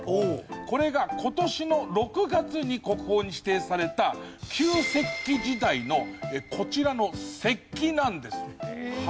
これが今年の６月に国宝に指定された旧石器時代のこちらの石器なんですよ。